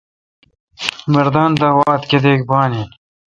مردان دا واتھ کیتیک پان این۔